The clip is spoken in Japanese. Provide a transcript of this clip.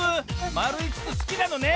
まるいつつすきなのね。